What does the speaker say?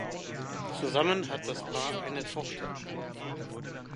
Zusammen hat das Paar eine Tochter.